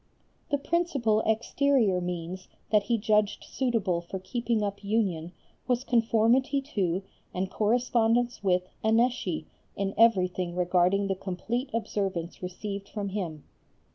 The principal exterior means that he judged suitable for keeping up union was conformity to and correspondence with Annecy in everything regarding the complete observance received from him.